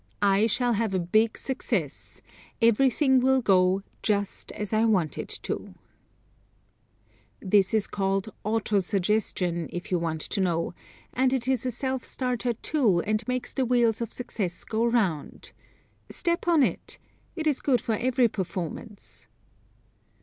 I shall have a big success. Everything will go just as I want it to." [Illustration: CLEO MAYFIELD] This is called auto suggestion, if you want to know, and it is a self starter, too, and makes the wheels of success go 'round. Step on it! It is good for every performance.